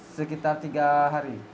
sekitar tiga hari